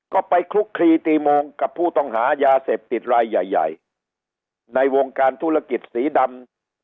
ก็ไปคลุกคลีตีโมงกับผู้ต้องหายาเสพติดรายใหญ่ใหญ่ในวงการธุรกิจสีดำ